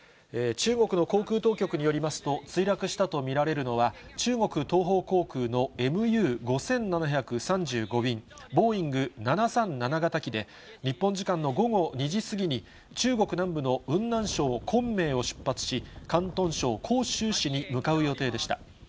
中国の航空当局によりますと、墜落したと見られるのは、中国東方航空のＭＵ５７３５便、ボーイング７３７型機で、日本時間の午後２時過ぎに、中国南部の雲南省昆明を出発し、広東省広州市に向かう予定でした。